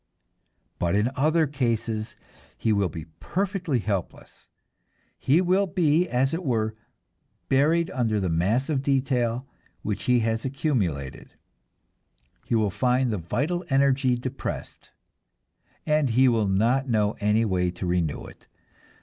But in other cases he will be perfectly helpless; he will be, as it were, buried under the mass of detail which he has accumulated; he will find the vital energy depressed, and he will not know any way to renew it.